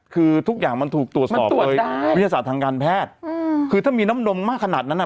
คือทุกอย่างมันถูกตรวจสอบโดยวิทยาศาสตร์ทางการแพทย์คือถ้ามีน้ำนมมากขนาดนั้นอ่ะ